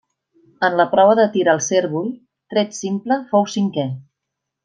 En la prova de tir al cérvol, tret simple fou cinquè.